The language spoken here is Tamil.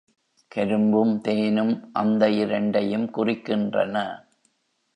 கரும்பும் தேனும் அந்த இரண்டையும் குறிக்கின்றன.